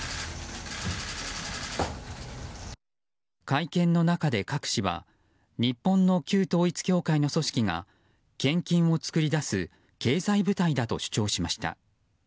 会見の中でカク氏は日本の旧統一教会の組織が献金を作り出す経済部隊だと主張しました。